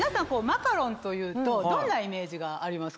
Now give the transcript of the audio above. マカロンというとどんなイメージがありますか？